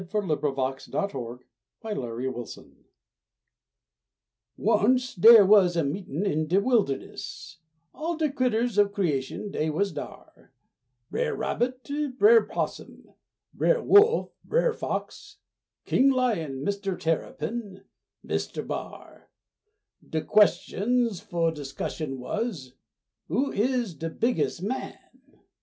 BRER RABBIT, YOU'S DE CUTES' OF 'EM ALL Once der was a meetin' in de wilderness, All de critters of creation dey was dar; Brer Rabbit, Brer 'Possum, Brer Wolf, Brer Fox, King Lion, Mister Terrapin, Mister B'ar. De question fu' discussion was, "Who is de bigges' man?"